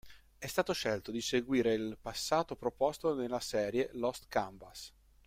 È stato scelto di seguire il passato proposto nella serie "Lost Canvas".